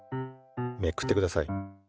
めくってください。